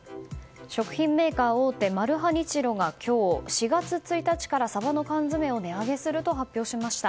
食品メーカー大手マルハニチロが４月１日からサバの缶詰を値上げすると発表しました。